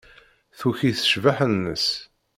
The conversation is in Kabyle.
Tuki s ccbaḥa-nnes.